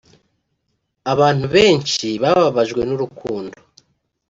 Abantu benshi bababajwe n'urukundo